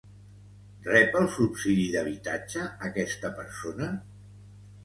Rep el subsidi d'habitatge, aquesta persona?